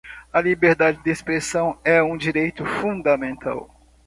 A liberdade de expressão é um direito fundamental.